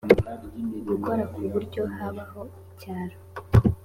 gukora ku buryo habaho icyaro